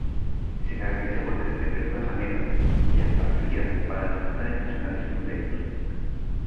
Se caracteriza por tener temperaturas amenas, y hasta frías para los estándares nacionales hondureños.